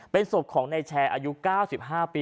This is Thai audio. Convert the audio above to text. เป็นศพของนายแชร์อายุ๙๕ปี